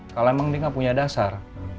kalau emang dia nggak punya dasar